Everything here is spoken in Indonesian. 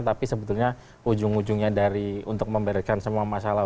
tapi sebetulnya ujung ujungnya dari untuk memberikan semua masalah